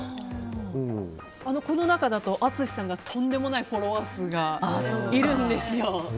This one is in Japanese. この中だと淳さんがとんでもないフォロワー数がいるんですよ。